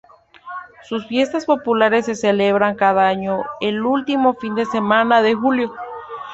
Sus fiestas populares se celebran cada año el último fin de semana de julio.